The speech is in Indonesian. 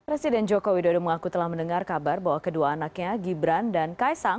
presiden joko widodo mengaku telah mendengar kabar bahwa kedua anaknya gibran dan kaisang